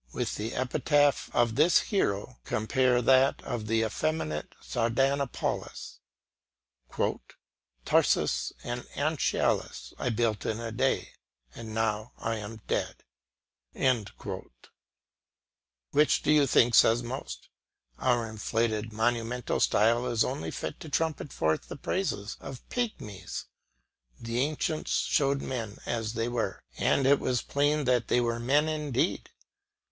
With the epitaph of this hero compare that of the effeminate Sardanapalus "Tarsus and Anchiales I built in a day, and now I am dead." Which do you think says most? Our inflated monumental style is only fit to trumpet forth the praises of pygmies. The ancients showed men as they were, and it was plain that they were men indeed.